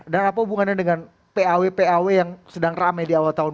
dan apa hubungannya dengan paw paw yang sedang rame di awal tahun dua ribu dua puluh ini